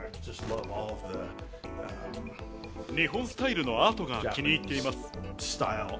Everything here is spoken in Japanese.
日本スタイルのアートが気に入っています。